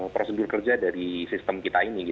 prosedur kerja dari sistem kita ini